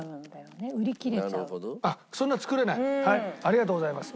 ありがとうございます。